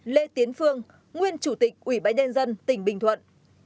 một lê tiến phương nguyên chủ tịch ủy bãi nen dân tỉnh bình thuận